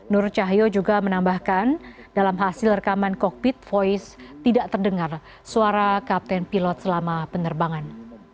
nur cahyo juga menambahkan dalam hasil rekaman cockpit voice tidak terdengar suara kapten pilot selama penerbangan